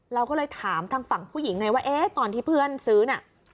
เราก็เลยถามทางฝั่งผู้หญิงไงว่าเอ๊ะตอนที่เพื่อนซื้อน่ะ